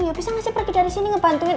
ya bisa nggak sih pergi dari sini ngebantuin